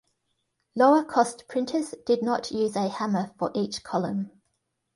Lower-cost printers did not use a hammer for each column.